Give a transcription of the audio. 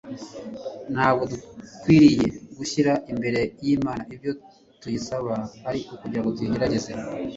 Ntabwo dukwiriye gushyira imbere y'Imana ibyo tuyisaba ari ukugira ngo tuyigerageze,